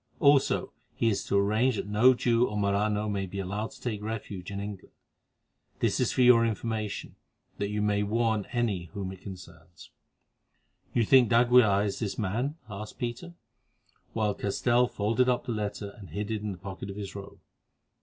Also he is to arrange that no Jew or Marano may be allowed to take refuge in England. This is for your information, that you may warn any whom it concerns.'" "You think that d'Aguilar is this man?" asked Peter, while Castell folded up the letter and hid it in the pocket of his robe.